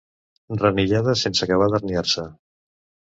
Renillada sense acabar d'herniar-se.